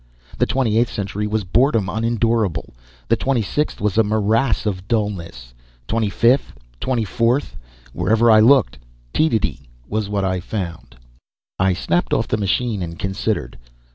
The Twenty Eighth Century was boredom unendurable, the Twenty Sixth a morass of dullness. Twenty Fifth, Twenty Fourth wherever I looked, tediety was what I found. I snapped off the machine and considered.